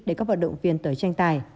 để các vận động viên tới tranh tài